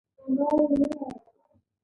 د روټاویټر کارول څه ګټه لري؟